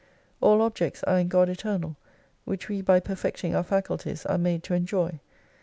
All objects are in God Eternal : which we by perfecting our faculties are made to enjoy.